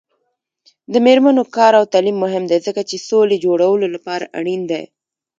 د میرمنو کار او تعلیم مهم دی ځکه چې سولې جوړولو لپاره اړین دی.